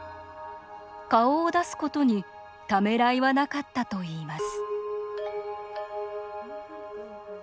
顔を出すことにためらいはなかったといいます